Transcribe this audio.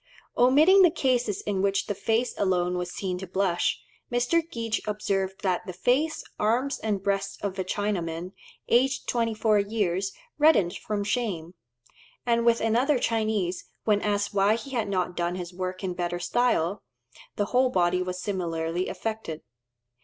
Omitting the cases in which the face alone was seen to blush, Mr. Geach observed that the face, arms, and breast of a Chinaman, aged 24 years, reddened from shame; and with another Chinese, when asked why he had not done his work in better style, the whole body was similarly affected.